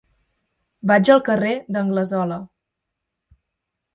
Vaig al carrer d'Anglesola.